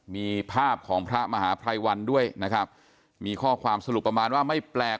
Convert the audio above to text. มีภาพของพระมหาภัยวันด้วยนะครับมีข้อความสรุปประมาณว่าไม่แปลก